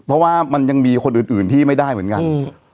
เพราะว่ามันยังมีคนอื่นอื่นที่ไม่ได้เหมือนกัน